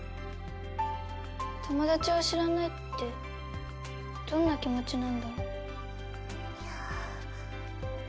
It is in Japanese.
友達を知らないってどんな気持ちなんだろう。